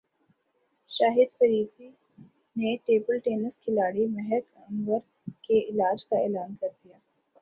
شاہد فریدی نے table tennis کھلاڑی مہک انور کے علاج کا اعلان کردیا